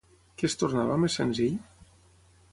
Què es tornava més senzill?